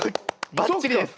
ばっちりです。